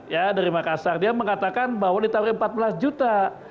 ya dari makassar dia mengatakan bahwa ditaruh empat belas juta